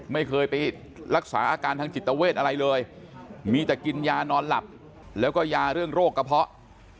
ไม่เคยไปรักษาอาการทางจิตเวทอะไรเลยมีแต่กินยานอนหลับแล้วก็ยาเรื่องโรคกระเพาะ